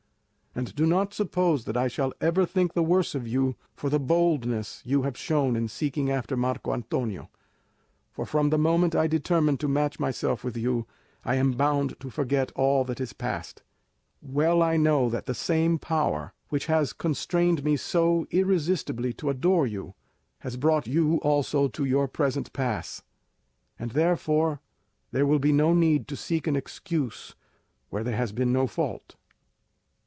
And do not suppose that I shall ever think the worse of you for the boldness you have shown in seeking after Marco Antonio; for from the moment I determine to match myself with you, I am bound to forget all that is past. Well I know that the same power which has constrained me so irresistibly to adore you, has brought you also to your present pass, and therefore there will be no need to seek an excuse where there has been no fault."